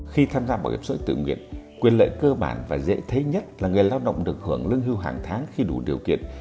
khi tham gia bảo hiểm xã hội tự nguyện quyền lợi cơ bản và dễ thấy nhất là người lao động được hưởng lương hưu hàng tháng khi đủ điều kiện